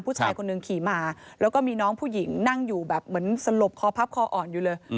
ผู้ชายคนหนึ่งขี่มาแล้วก็มีน้องผู้หญิงนั่งอยู่แบบเหมือนสลบคอพับคออ่อนอยู่เลย